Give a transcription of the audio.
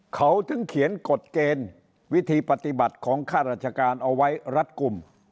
เขาถึงเขียนกฎเกณฑ์วิธีปฏิบัติของข้าราชการเอาไว้รัดกลุ่ม